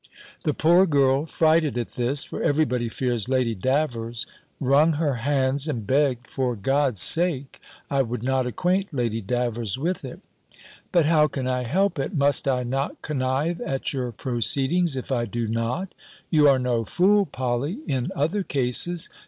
The poor girl, frighted at this (for every body fears Lady Davers), wrung her hands, and begged, for God's sake, I would not acquaint Lady Davers with it. "But how can I help it? Must I not connive at your proceedings, if I do not? You are no fool, Polly, in other cases.